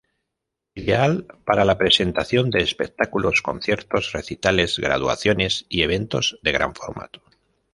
Ideal parta la presentación de espectáculos conciertos, recitales, graduaciones y eventos de gran formato.